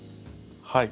はい。